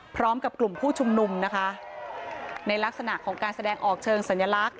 พร้อมกับกลุ่มผู้ชุมนุมนะคะในลักษณะของการแสดงออกเชิงสัญลักษณ